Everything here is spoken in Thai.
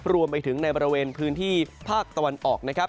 รวมไปถึงในบริเวณพื้นที่ภาคตะวันออกนะครับ